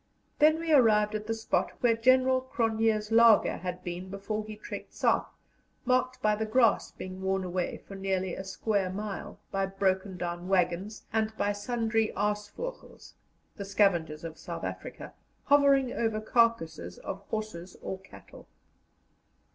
Then we arrived at the spot where General Cronje's laager had been before he trekked South, marked by the grass being worn away for nearly a square mile, by broken down waggons, and by sundry aas vogels (the scavengers of South Africa) hovering over carcasses of horses or cattle.